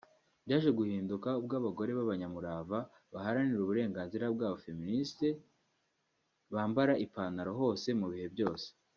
Byaje guhinduka ubwo abagore b’abanyamurava baharanira uburenganzira bwabo (féministes) bambara ipantalo hose no mu bihe byose